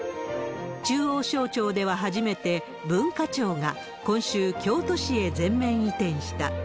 中央省庁では初めて、文化庁が今週、京都市へ全面移転した。